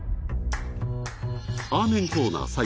アーメンコーナー